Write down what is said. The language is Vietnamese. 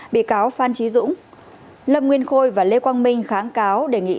bị cáo phan trí dũng lâm nguyên khôi và lê quang minh kháng cáo đề nghị